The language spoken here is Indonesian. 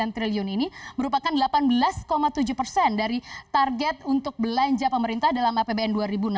sembilan triliun ini merupakan delapan belas tujuh persen dari target untuk belanja pemerintah dalam apbn dua ribu enam belas